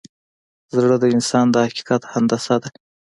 زړه د انسان د حقیقت هندسه ده.